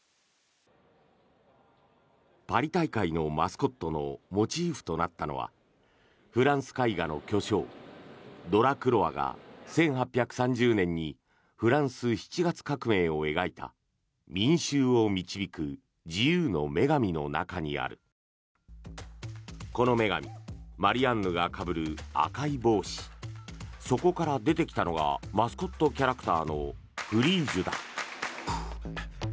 パリ大会のマスコットのモチーフとなったのはフランス絵画の巨匠ドラクロワが１８３０年にフランス７月革命を描いた「民衆を導く自由の女神」の中にあるこの女神、マリアンヌが被る赤い帽子そこから出てきたのがマスコットキャラクターのフリージュだ。